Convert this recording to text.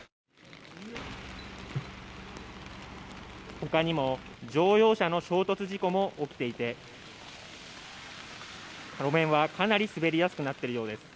他にも乗用車の衝突事故も起きていて路面はかなり滑りやすくなっているようです。